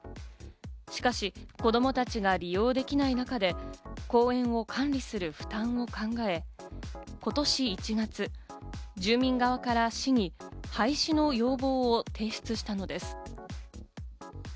しかし子供たちが利用できない中で、公園を管理する負担を考え、今年１月、住民側から市に廃止の要望を提出したのです。